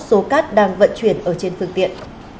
số cát đang vận chuyển trên phương tiện